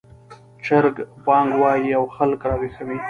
چرګ بانګ وايي او خلک راویښوي